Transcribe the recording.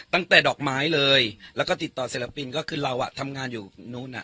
ดอกไม้เลยแล้วก็ติดต่อศิลปินก็คือเราอ่ะทำงานอยู่นู้นอ่ะ